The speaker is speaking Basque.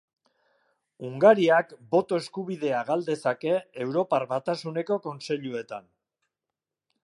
Hungariak boto-eskubidea gal dezake Europar Batasuneko kontseiluetan